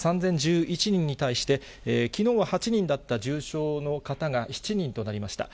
３０１１人に対して、きのうは８人だった重症の方が７人となりました。